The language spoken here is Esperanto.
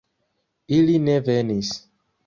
Ili ne venis